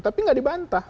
tapi enggak dibantah